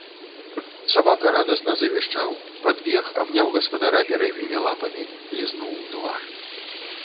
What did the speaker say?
Сабака радасна завішчаў, падбег, абняў гаспадара пярэднімі лапамі, лізнуў у твар.